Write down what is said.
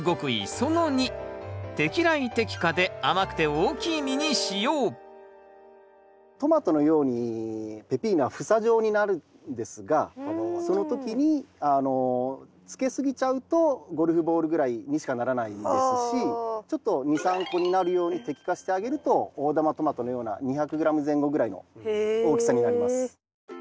その２トマトのようにペピーノは房状になるんですがその時につけすぎちゃうとゴルフボールぐらいにしかならないですしちょっと２３個になるように摘果してあげると大玉トマトのような２００ｇ前後ぐらいの大きさになります。